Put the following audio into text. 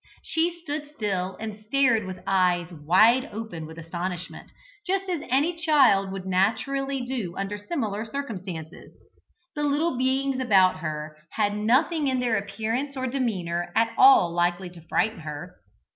She stood still and stared with eyes wide open with astonishment, just as any child would naturally do under similar circumstances. The little beings about her had nothing in their appearance or demeanour at all likely to frighten her.